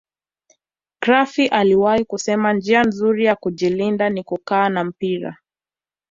crufy aliwahi kusema njia nzuri ya kujilinda ni kukaa na mpira